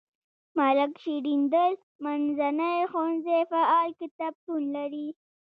ملک شیریندل منځنی ښوونځی فعال کتابتون لري.